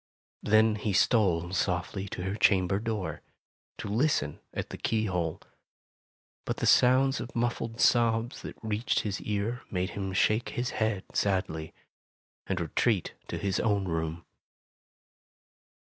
Then he stole softly to her chamber door, to listen at the keyhole. But the sounds of muffled sobs that reached his ear made him shake his head sadly, and retreat to his own room.